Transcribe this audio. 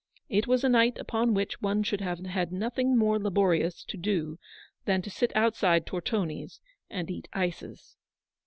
It was a night upon which one should have had nothing more laborious to do than to sit outside Tortoni's and eat ices.